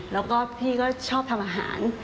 แล้วก็พี่ก็ชอบทำอาหาร